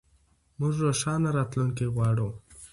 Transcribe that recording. موږ روښانه راتلونکی غواړو.